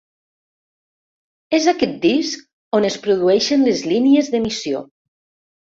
És aquest disc on es produeixen les línies d'emissió.